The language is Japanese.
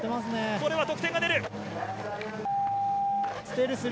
これは得点が出る。